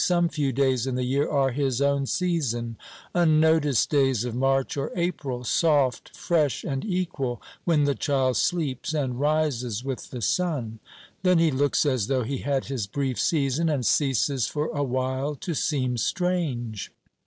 Some few days in the year are his own season unnoticed days of March or April, soft, fresh and equal, when the child sleeps and rises with the sun. Then he looks as though he had his brief season, and ceases for a while to seem strange.